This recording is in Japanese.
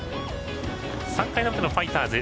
３回の表のファイターズ。